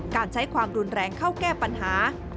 การใช้ความรุนแรงเข้าแก้ปัญหา